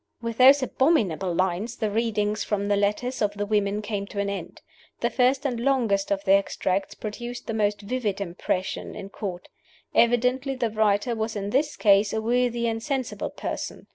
With those abominable lines the readings from the letters of the women came to an end. The first and longest of the Extracts produced the most vivid impression in Court. Evidently the writer was in this case a worthy and sensible person.